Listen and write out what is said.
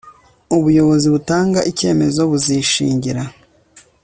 ubuyobozi butanga icyemezo buzishingira